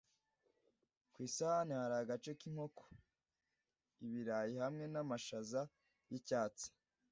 ku isahani hari agace k'inkoko, ibirayi hamwe n'amashaza y'icyatsi